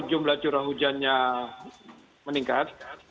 jumlah curah hujannya meningkat